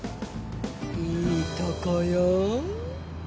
いいとこよ。